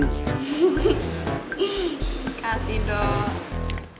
terima kasih dok